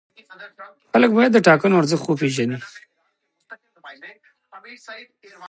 خلک باید د ټاکنو ارزښت وپېژني